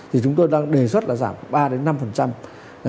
thì chúng tôi đang đề xuất là giảm ba năm